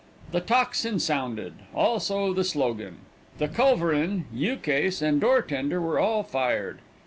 The tocsin sounded, also the slogan. The culverin, ukase, and door tender were all fired.